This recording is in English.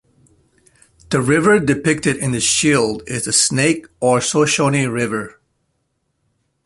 The river depicted in the shield is the Snake or Shoshone River.